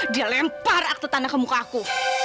dia lempar akte tanah ke muka aku